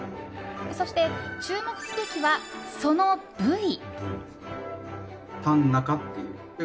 そして、注目すべきはその部位。